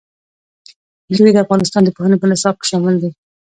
مېوې د افغانستان د پوهنې په نصاب کې شامل دي.